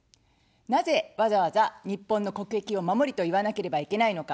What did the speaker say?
なぜわざわざ日本の国益を守りと言わなければいけないのか。